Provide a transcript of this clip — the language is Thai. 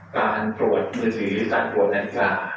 การปรวจมือถือหรือการปรวจนาฬิกา